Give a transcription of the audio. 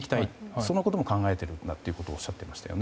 そのことも考えているんだとおっしゃっていましたよね。